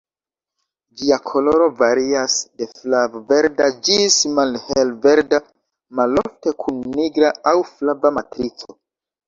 Ĝia koloro varias de flav-verda ĝis malhel-verda, malofte kun nigra aŭ flava matrico.